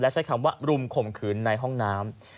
ใช้คำว่ารุมข่มขืนในห้องน้ำ